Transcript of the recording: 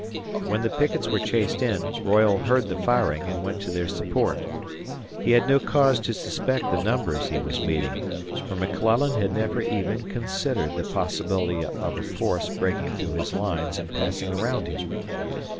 When the pickets were chased in, Royall heard the firing and went to their support. He had no cause to suspect the numbers he was meeting, for McClellan had never even considered the possibility of a force breaking through his lines and passing around him.